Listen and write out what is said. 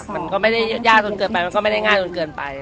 มันก็ไม่ได้ยากจนเกินไปมันก็ไม่ได้ง่ายจนเกินไป